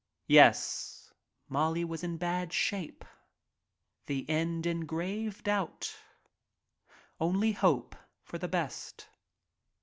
Yes, Molly was in bad shape — the end in grave doubts only hope for the best.